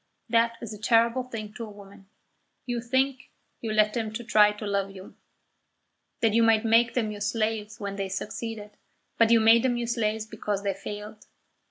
That is a terrible thing to a woman. You think you let them try to love you, that you might make them your slaves when they succeeded; but you made them your slaves because they failed.